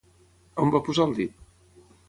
On va posar el dit?